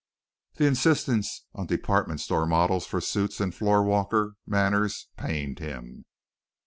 The insistence on department store models for suits and floor walker manners pained him.